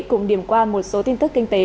cùng điểm qua một số tin tức kinh tế